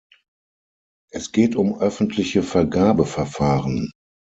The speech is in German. Es geht um öffentliche Vergabeverfahren.